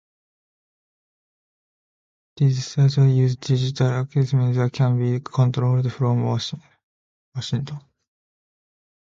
These studios use digital equipment that can be controlled from Washington.